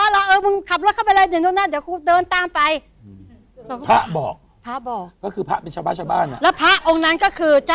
แล้วพระองค์นั้นก็คือเจ้าอวาสนั่นแหละ